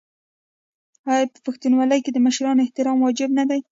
آیا په پښتونولۍ کې د مشرانو احترام واجب نه دی؟